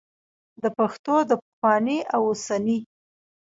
د پښتو د پخواني او اوسني